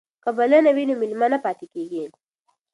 که بلنه وي نو مېلمه نه پاتې کیږي.